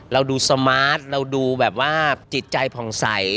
เราดูสมาร์ทเราดูแบบว่าจิตใจผ่องใส